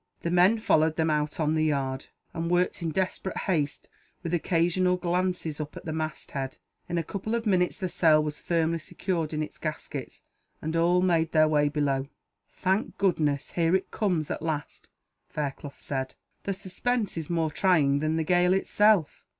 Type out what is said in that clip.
The men followed them out on the yard, and worked in desperate haste, with occasional glances up at the mast head. In a couple of minutes the sail was firmly secured in its gaskets, and all made their way below. "Thank goodness, here it comes, at last," Fairclough said; "the suspense is more trying than the gale itself."